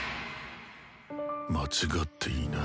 間違っていない。